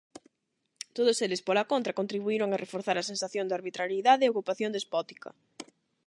Todos eles, pola contra, contribuíron a reforzar a sensación de arbitrariedade e ocupación despótica.